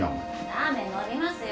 ラーメン伸びますよ。